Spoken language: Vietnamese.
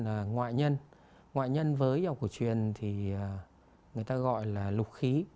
là ngoại nhân ngoại nhân với yêu của truyền thì người ta gọi là lục khí